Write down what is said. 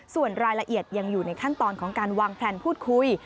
ส่วนรายละเอียดยังอยู่ในขั้นตอนของการวางแพลนพูดคุย